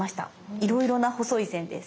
いろいろな細い線です。